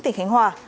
tỉnh khánh hòa